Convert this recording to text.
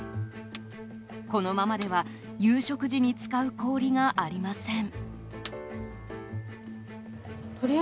このままでは夕食時に使う氷がありません。